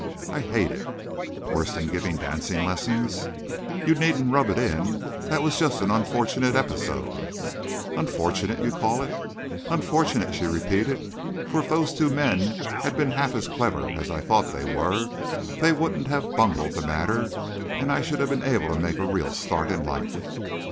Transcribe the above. "I hate it!" "Worse than giving dancing lessons?" "You needn't rub it in. That was just an unfortunate episode." "Unfortunate, you call it?" "Unfortunate," she repeated, "for if those two men had been half as clever as I thought they were, they wouldn't have bungled the matter, and I should have been able to make a real start in life."